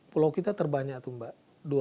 pulau kita terbanyak tuh mbak